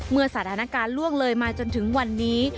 เมื่อสถานการณ์ล่วงเลยมาจนถึงวันนี้